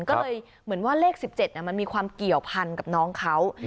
ก็เลยเหมือนว่าเลข๑๗มันมีความเกี่ยวพันกับน้องเขา